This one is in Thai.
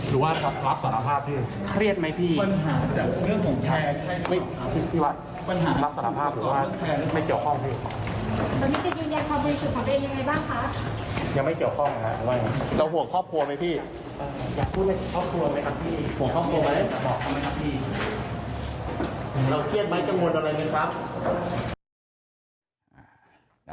เราเครียดไหมกันหมดอะไรบ้างครับ